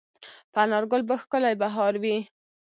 په انارګل به ښکلی بهار وي